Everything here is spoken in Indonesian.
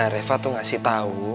reva tuh ngasih tau